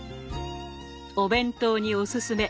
お弁当におすすめ。